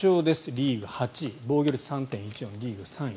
リーグ８位防御率３．１４、リーグ４位。